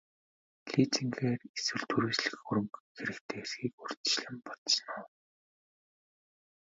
Лизингээр эсвэл түрээслэх хөрөнгө хэрэгтэй эсэхийг урьдчилан бодсон уу?